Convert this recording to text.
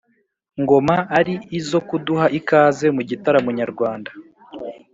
ngoma ari izo kuduha ikaze mu gitaramo nyarwanda.